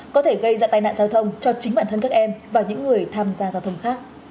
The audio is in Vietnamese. có thể gây ra tai nạn giao thông cho chính bản thân các em và những người tham gia giao thông khác